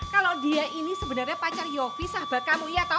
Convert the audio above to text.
kalau dia ini sebenarnya pacar yofi sahabat kamu iya tau